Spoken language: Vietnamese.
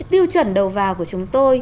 tiêu chuẩn đầu vào của chúng tôi